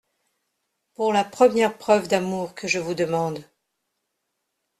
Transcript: Pour la première preuve d’amour que je vous demande…